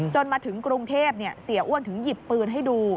มาถึงกรุงเทพเสียอ้วนถึงหยิบปืนให้ดู